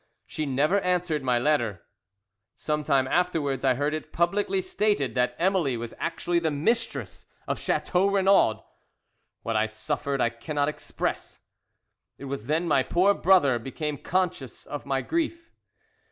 She never answered my letter. "Some time afterwards I heard it publicly stated that Emily was actually the mistress of Chateau Renaud. What I suffered I cannot express. "It was then my poor brother became conscious of my grief.